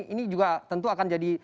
ini juga tentu akan jadi